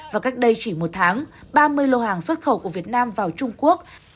và cách đây chỉ một tháng ba mươi lô hàng xuất khẩu của việt nam vào trung quốc